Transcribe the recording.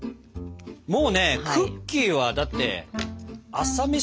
もうねクッキーはだって朝飯前ですから。